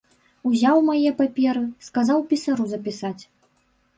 Узяў мае паперы, сказаў пісару запісаць.